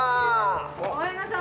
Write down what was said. ごめんなさい。